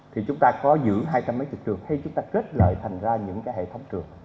thì chúng ta có giữ hai trăm mấy chục trường hay chúng ta kết lại thành ra những cái hệ thống trường